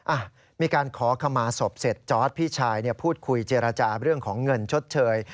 อ่ะมีการขอขมาศพเสร็จจอร์ดพี่ชายพูดคุยเจรจาเรื่องของเงินชดเชย